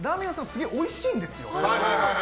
すげえおいしいんですよ。